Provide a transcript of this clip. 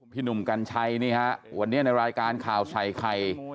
พี่หนุ่มกัญชัยนี่ครับวันนี้ในรายการข่าวชัยใคร